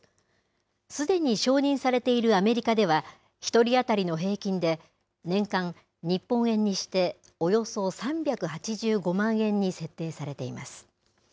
すでに承認されているアメリカでは、１人当たりの平均で、年間、日本円にしておよそ３８５万円に設定されています。